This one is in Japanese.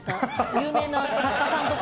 有名な作家さんとか。